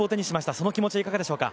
その気持ちいかがでしょうか？